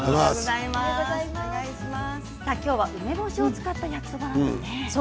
今日は梅干しを使った焼きそばなんですね。